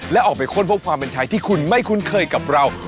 และออกไปค้นพบความเป็นไทยที่คุณไม่คุ้นเคยกับเรา